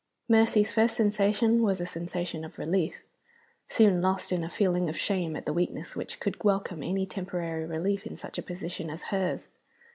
Mercy's first sensation was a sensation of relief soon lost in a feeling of shame at the weakness which could welcome any temporary relief in such a position as hers.